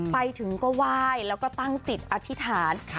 ไปถึงก็ไหว้แล้วก็ตั้งจิตอธิษฐาน